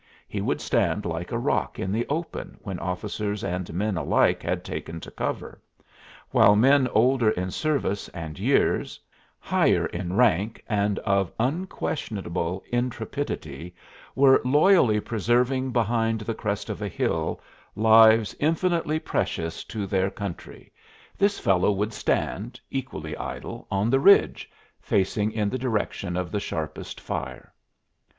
He would stand like a rock in the open when officers and men alike had taken to cover; while men older in service and years, higher in rank and of unquestionable intrepidity, were loyally preserving behind the crest of a hill lives infinitely precious to their country, this fellow would stand, equally idle, on the ridge, facing in the direction of the sharpest fire.